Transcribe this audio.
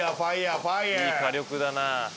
いい火力だなぁ。